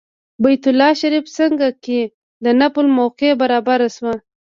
بیت الله شریف څنګ کې د نفل موقع برابره شوه.